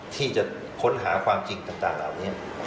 ที่จะค้นหาความจริงต่างเหล่านี้